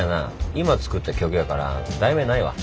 今作った曲やから題名ないわ。